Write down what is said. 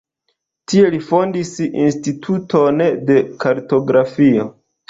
Tie li fondis instituton de kartografio.